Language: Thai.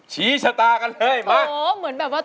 ใจไม่คลั่ง